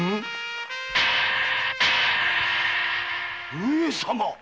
上様？